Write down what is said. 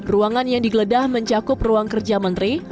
ruangan yang digeledah mencakup ruang kerja menteri